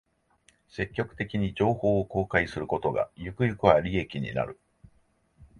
積極的に情報を公開することが、ゆくゆくは利益になる